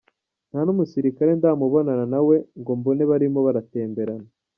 Nta n’umusirikare ndamubonana nawe ngo mbone barimo baratemberana.”